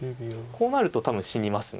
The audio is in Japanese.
こうなると多分死にます。